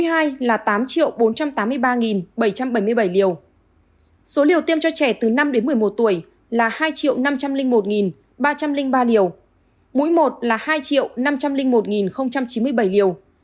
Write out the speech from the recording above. hãy đăng ký kênh để ủng hộ kênh của mình nhé